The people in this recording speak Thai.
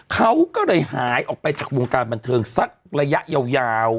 เขาก็เลยหายออกไปจากวงการบันเทิงสักระยะยาว